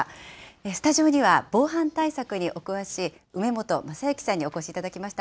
スタジオには、防犯対策にお詳しい梅本正行さんにお越しいただきました。